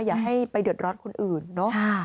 อย่าให้ไปเดือดร้อนคนอื่นเนอะ